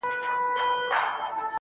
o هو زه پوهېږمه، خیر دی یو بل چم وکه.